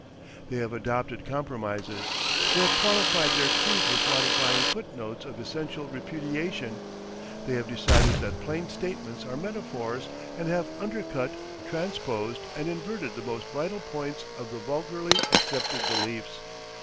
They have adopted compromises, they have qualified their creeds with modifying footnotes of essential repudiation; they have decided that plain statements are metaphors and have undercut, transposed, and inverted the most vital points of the vulgarly accepted beliefs.